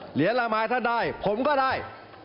เหรียญละหมายท่านได้ผมก็ได้